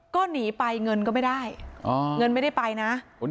ก็หนีไปเงินก็ไม่ได้เงินไม่ได้ไปนะ